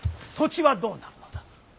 土地はどうなるのだ。